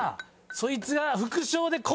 そいつが。